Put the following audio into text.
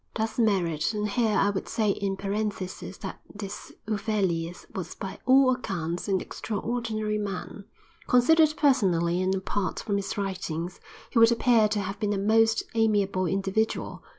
Thus Merritt, and here I would say in parenthesis that this Huvelius was by all accounts an extraordinary man. Considered personally and apart from his writings he would appear to have been a most amiable individual.